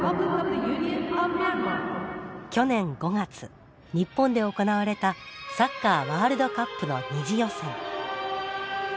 去年５月日本で行われたサッカーワールドカップの２次予選。